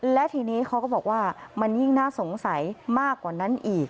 และทีนี้เขาก็บอกว่ามันยิ่งน่าสงสัยมากกว่านั้นอีก